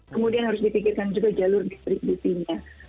kemudian harus dipikirkan juga jalur distribusinya